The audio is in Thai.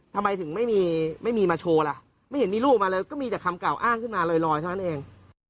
ทำไมถึงไม่มีไม่มีมาโชว์ล่ะไม่เห็นมีรูปออกมาเลยก็มีแต่คำกล่าวอ้างขึ้นมาลอยเท่านั้นเอง